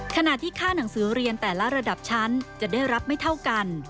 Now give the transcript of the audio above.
ขณะที่ค่าหนังสือเรียนแต่ละระดับชั้นจะได้รับไม่เท่ากัน